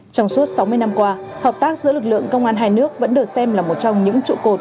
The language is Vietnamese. trong suốt sáu mươi năm qua hợp tác giữa lực lượng công an hai nước vẫn được xem là một trong những trụ cột